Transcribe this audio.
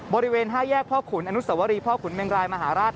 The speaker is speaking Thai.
บริเวณ๕แยกพ่อขุนอนุสวรีพ่อขุนเมงรายมหาราช